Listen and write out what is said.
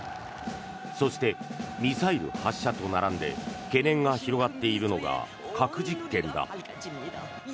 そして、ミサイル発射と並んで懸念が広がっているのが核実験だ。